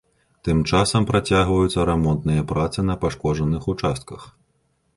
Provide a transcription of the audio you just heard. Тым часам, працягваюцца рамонтныя працы на пашкоджаных участках.